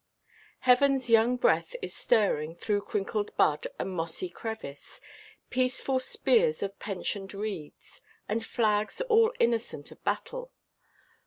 Heavenʼs young breath is stirring through crinkled bud and mossy crevice, peaceful spears of pensioned reeds, and flags all innocent of battle.